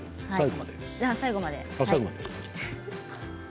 最後まで。